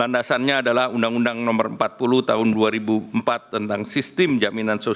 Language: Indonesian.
ini juga diberlakukan januari dua ribu dua puluh empat